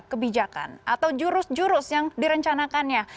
kebijakan atau jurus jurus yang direncanakannya